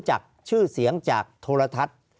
ภารกิจสรรค์ภารกิจสรรค์